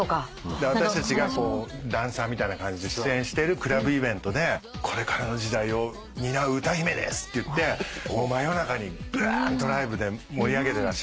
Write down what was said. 私たちがダンサーみたいな感じで出演してるクラブイベントでこれからの時代を担う歌姫ですっていって真夜中にばーんとライブで盛り上げてらっしゃったんですよ。